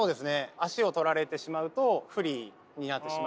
足を取られてしまうと不利になってしまうので。